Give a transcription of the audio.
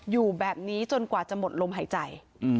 อยู่แบบนี้จนกว่าจะหมดลมหายใจ